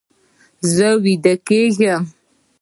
زه ویده کیږم